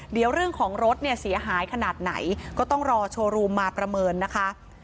เดี๋ยวเรื่องของรถเนี่ยเสียหายขนาดไหนก็ต้องรอโชว์รูมมาประเมินนะคะ